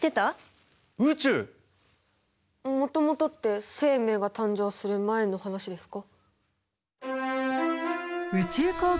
もともとって生命が誕生する前の話ですか？